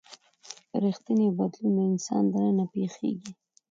ریښتینی بدلون د انسان دننه پیښیږي.